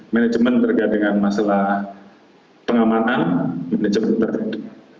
manajemen terkait dengan masalah pengamanan manajemen tertentu